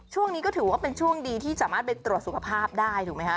ช่วงนี้ก็ถือว่าเป็นช่วงดีที่สามารถไปตรวจสุขภาพได้ถูกไหมคะ